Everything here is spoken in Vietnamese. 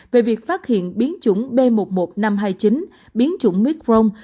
về việc phát hiện biến chủng b một một năm trăm hai mươi chín biến chủng omicron